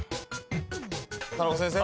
田中先生？